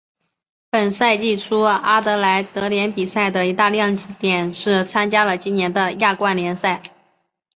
本赛季初阿德莱德联比赛的一大亮点是参加了今年的亚冠联赛。